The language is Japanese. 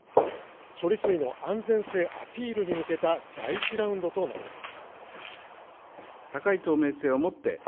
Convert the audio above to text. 処理水の安全性アピールに向けた第１ラウンドとなります。